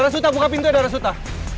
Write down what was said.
arasuta buka pintunya arasuta